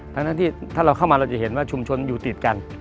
ทั้งนั้นที่ถ้าเราเข้ามาเราจะเห็นว่าชุมชนอยู่ติดกัน